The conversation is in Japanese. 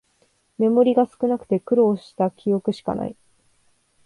メモリが少なくて苦労した記憶しかない